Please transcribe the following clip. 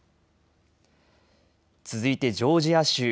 続いてジョージア州。